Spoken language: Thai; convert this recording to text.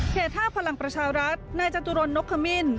เขตห้าพลังปราชารัฐนายจัตุรนนกขมิน